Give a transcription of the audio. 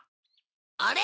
あれ？